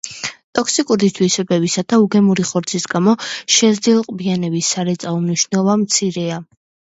ტოქსიკური თვისებებისა და უგემური ხორცის გამო შეზრდილყბიანების სარეწაო მნიშვნელობა მცირეა.